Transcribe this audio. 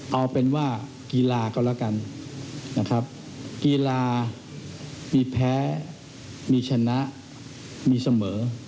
เอาเป็นว่ากีฬาก็แล้วกันนะครับกีฬามีแพ้มีชนะมีเสมอ